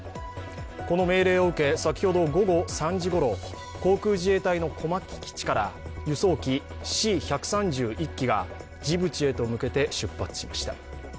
この命令を受け、先ほど午後３時ごろ、航空自衛隊の小牧基地から輸送機Ｃ−１３０、１機がジブチへと向けて出発しました。